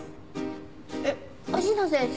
えっ芦名先生